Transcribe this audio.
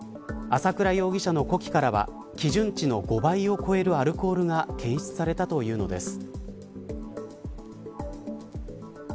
朝倉容疑者の呼気からは基準値の５倍を超えるアルコールが検出されたというのです。